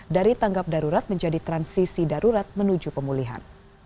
dari tanggap darurat menjadi transisi darurat menuju pemulihan